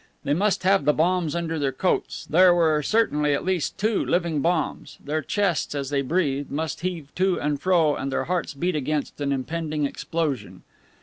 They must have the bombs under their coats; there were certainly at least two "living bombs." Their chests, as they breathed, must heave to and fro and their hearts beat against an impending explosion.